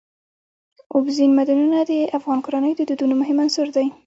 اوبزین معدنونه د افغان کورنیو د دودونو مهم عنصر دی.